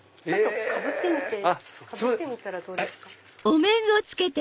かぶってみたらどうですか？